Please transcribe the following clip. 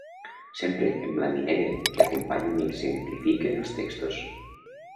Sempre en blanc i negre, que acompanyen i exemplifiquen els textos.